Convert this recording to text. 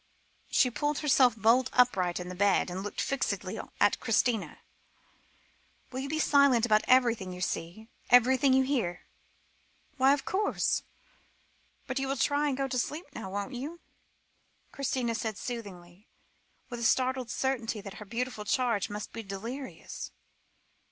She pulled herself bolt upright in the bed, and looked fixedly at Christina; "will you be silent about everything you see, everything you hear?" "Why, of course. But, you will try and go to sleep now, won't you?" Christina said soothingly, with a startled certainty that her beautiful charge must be delirious.